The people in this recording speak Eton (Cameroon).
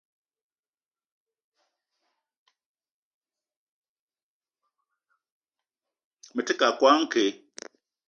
Me te keu a koala nke.